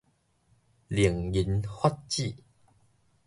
令人髮指